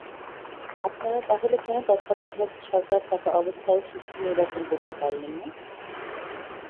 আপনারা তাহলে কেন তত্ত্বাবধায়ক সরকার থাকা অবস্থায়ও সুষ্ঠু নির্বাচন করতে পারলেন না।